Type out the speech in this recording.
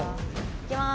いきます。